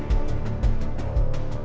berbeda banget sama ricky